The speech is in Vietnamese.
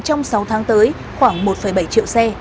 trong sáu tháng tới khoảng một bảy triệu xe